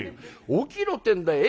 起きろってんだよ。